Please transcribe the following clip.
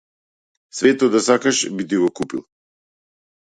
Светот да сакаш би ти го купил.